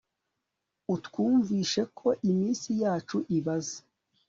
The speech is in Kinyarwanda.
utwumvishe ko iminsi yacu ibaze